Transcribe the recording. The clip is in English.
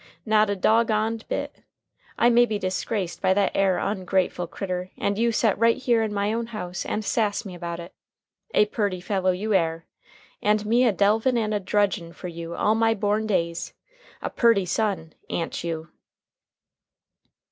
Not a dog on'd bit. I may be disgraced by that air ongrateful critter, and you set right here in my own house and sass me about it. A purty fellow you air! An' me a delvin' and a drudgin' fer you all my born days. A purty son, a'n't you?"